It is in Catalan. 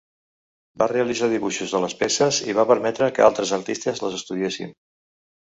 Va realitzar dibuixos de les peces, i va permetre que altres artistes les estudiessin.